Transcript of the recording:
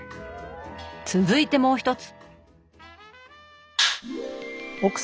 続いてもう一つ。